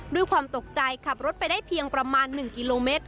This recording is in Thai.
ด้วยความตกใจขับรถไปได้เพียงประมาณ๑กิโลเมตร